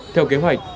theo kế hoạch